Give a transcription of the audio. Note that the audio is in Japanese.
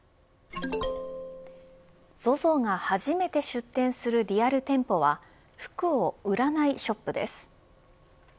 ＺＯＺＯが初めて出店するリアル店舗は服を売らないショップです。